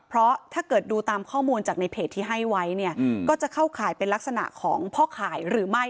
เพราะถ้าเกิดดูตามข้อมูลจากในเพจที่ให้ไว้เนี่ยก็จะเข้าข่ายเป็นลักษณะของพ่อข่ายหรือไม่